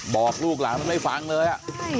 บอกลูกหลานเลยไม่ฟังเลยอ่ะ